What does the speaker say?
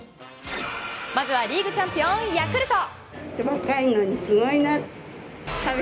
まずはリーグチャンピオン、ヤクルト。